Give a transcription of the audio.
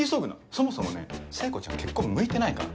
そもそもね聖子ちゃん結婚向いてないから。